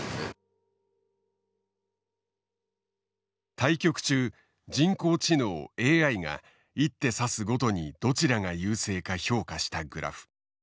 対局中人工知能ＡＩが一手指すごとにどちらが優勢か評価したグラフ。